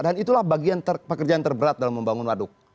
dan itulah bagian pekerjaan terberat dalam membangun waduk